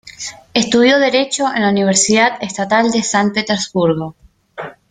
Estudió derecho en la Universidad Estatal de San Petersburgo.